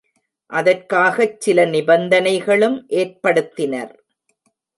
அதற்காகச் சில நிபந்தனைகளும் ஏற்படுத்தினர்.